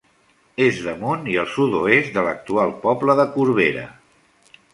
És damunt i al sud-oest de l'actual poble de Corbera.